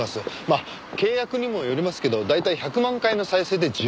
まあ契約にもよりますけど大体１００万回の再生で１０万円。